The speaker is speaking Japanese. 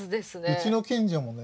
うちの近所もね